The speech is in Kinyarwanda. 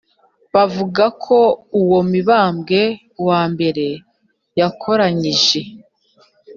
bavuga ko uwo mibambwe i yakoranyije